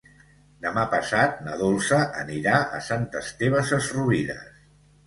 Demà passat na Dolça anirà a Sant Esteve Sesrovires.